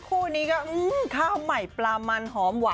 คู่นี้ก็ข้าวใหม่ปลามันหอมหวาน